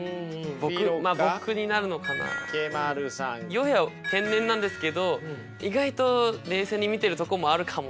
ＹＯＨＥは天然なんですけど意外と冷静に見てるとこもあるかもしれない。